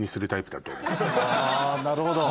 あなるほど。